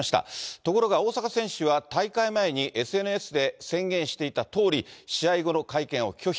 ところが大坂選手は大会前にＳＮＳで宣言していたとおり、試合後の会見を拒否。